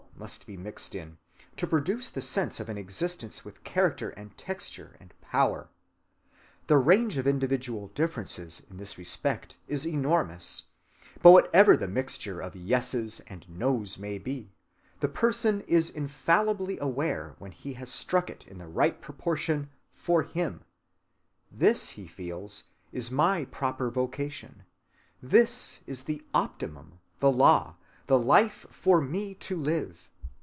must be mixed in, to produce the sense of an existence with character and texture and power. The range of individual differences in this respect is enormous; but whatever the mixture of yeses and noes may be, the person is infallibly aware when he has struck it in the right proportion for him. This, he feels, is my proper vocation, this is the optimum, the law, the life for me to live.